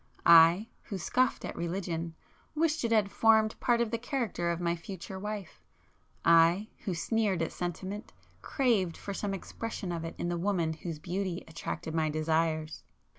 I, who scoffed at religion, wished it had formed part of the character of my future wife,—I, who sneered at sentiment, craved for some expression of it in the woman whose beauty attracted my desires.